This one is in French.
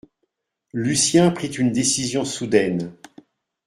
Lucien prit une décision soudaine.